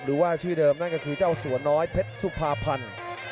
หรือว่าชื่อเดิมนั่นก็คือเจ้าสัวน้อยเพชรสุภาพันธ์